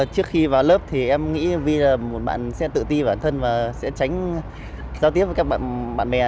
trước khi vào lớp thì em nghĩ vi là một bạn sẽ tự ti bản thân và sẽ tránh giao tiếp với các bạn bè